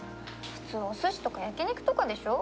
普通おすしとか焼き肉とかでしょ。